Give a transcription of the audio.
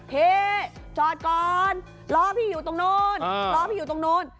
พี่จอดก่อนล้อพี่อยู่ตรงนู้นล้อพี่อยู่ตรงนู้น